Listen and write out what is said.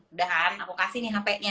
udahan aku kasih nih hpnya